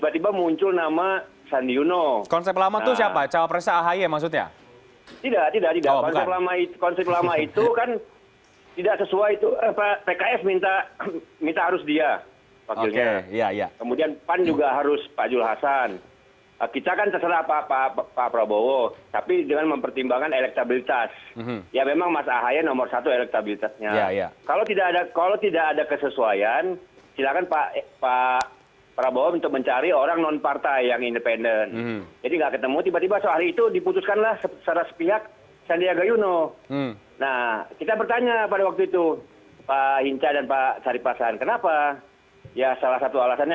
dan sudah tersambung melalui sambungan telepon ada andi arief wasekjen